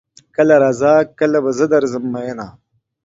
کله راځه کله به زه درځم میینه